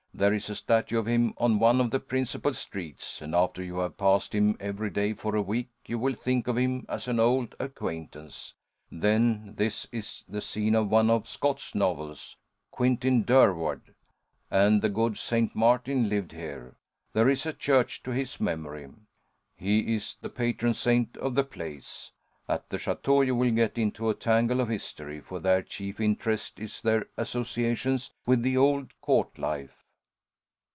There is a statue of him on one of the principal streets, and after you have passed him every day for a week, you will think of him as an old acquaintance. Then this is the scene of one of Scott's novels 'Quentin Durward.' And the good St. Martin lived here. There is a church to his memory. He is the patron saint of the place. At the châteaux you will get into a tangle of history, for their chief interest is their associations with the old court life."